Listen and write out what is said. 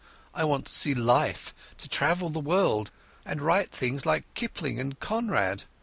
I want to see life, to travel the world, and write things like Kipling and Conrad.